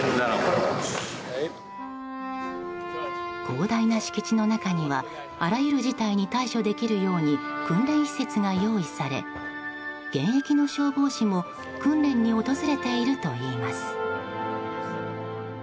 広大な敷地の中にはあらゆる事態に対処できるように訓練施設が用意され現役の消防士も訓練に訪れているといいます。